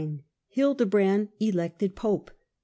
HILDEBRAND ELECTED POPE.